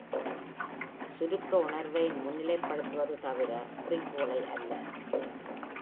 சுருக்க உணர்வை முன்னிலைப்படுத்துவது தவிர குறிக்கோளை அல்ல.